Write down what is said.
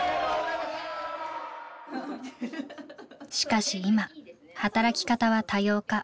しかし今働き方は多様化。